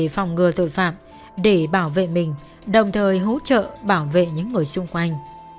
những người tội phạm để bảo vệ mình đồng thời hỗ trợ bảo vệ những người xung quanh